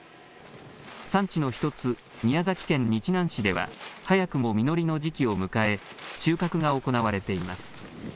産地の１つ、宮崎県日南市では早くも実りの時期を迎え収穫が行われています。